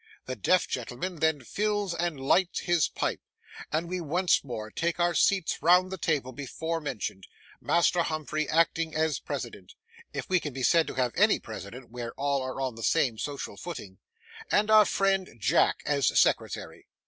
The deaf gentleman then fills and lights his pipe, and we once more take our seats round the table before mentioned, Master Humphrey acting as president,—if we can be said to have any president, where all are on the same social footing,—and our friend Jack as secretary.